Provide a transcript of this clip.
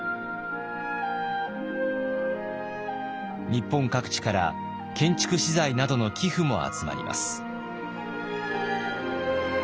日本各地から建築資材などの寄付も集まります。